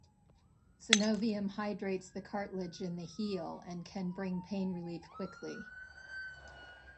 Synovium hydrates the cartilage in the heal and can bring pain relief quickly.